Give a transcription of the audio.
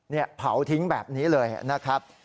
นี่เผาทิ้งแบบนี้เลยนะครับ